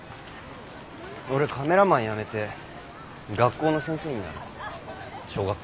俺カメラマン辞めて学校の先生になるわ小学校の。